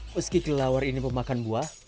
meski kelelawar ini memakan buah